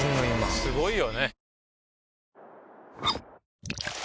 すごいよね。